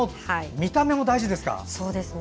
見た目も大事ですか。